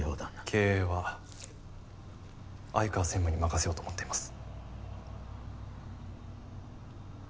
経営は相川専務に任せようと思っています。